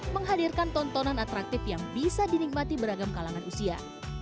menghadirkan tontonan atraktif yang bisa dinikmati beragam kalangan usia